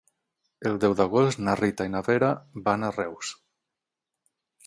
El deu d'agost na Rita i na Vera van a Reus.